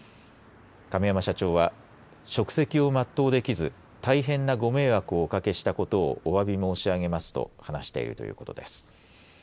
亀山社長は職責を全うできず大変なご迷惑をおかけしたことをおわび申し上げますと話しているということです。